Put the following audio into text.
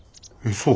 そう？